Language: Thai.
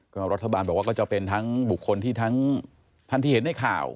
ก็รัฐบาลบอกว่าก็จะเป็นทั้งบุคคลที่ทั้งท่านที่เห็นในข่าว